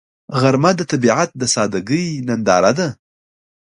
غرمه د طبیعت د سادګۍ ننداره ده